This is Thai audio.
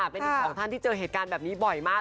เป็นอีกสองท่านที่เจอเหตุการณ์แบบนี้บ่อยมาก